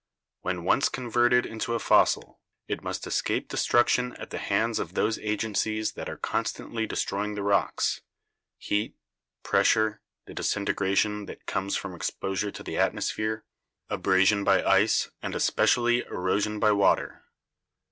"When once converted into a fossil it must escape de struction at the hands of those agencies that are constantly destroying the rocks ; heat, pressure, the disintegration that comes from exposure to the atmosphere, abrasion by ice 172 BIOLOGY and especially erosion by water.